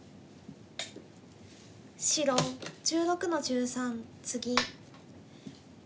白１６の十三ツギ。